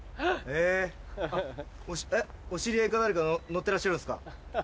えっお知り合いか誰か乗ってらっしゃるんですか？